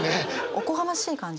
おこがましい感じが。